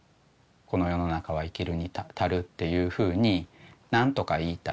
この世の中は生きるに足るっていうふうに何とか言いたいって。